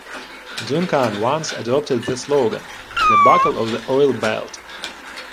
Duncan once adopted the slogan, "The Buckle on the Oil Belt".